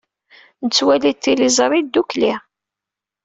Nettwali tiliẓri ddukkli.